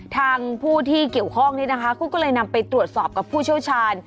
ทางผู้ที่เกี่ยวข้องนี้นะคะเขาก็เลยนำไปตรวจสอบกับผู้เชี่ยวชาญ